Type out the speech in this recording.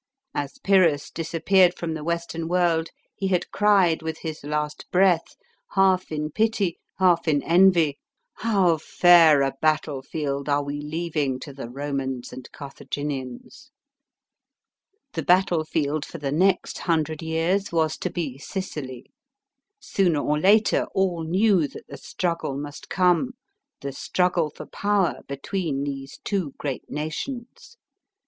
As Pyrrhus disappeared from the Western world he had cried, with his last breath, half in pity, half in envy, " How fair a battlefield are we leaving to the Romans and Carthaginians I " The battlefield for the next hundred years was 1 See chapter 16. B.C. 264 241.] THE FIRST PUNIC WAR. 159 to be Sicily. Sooner or later, all knew that the struggle must come the struggle for power be tween these two great nations.